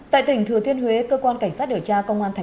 tại tỉnh thừa thiên huế cơ quan cảnh sát điều tra công an tp huế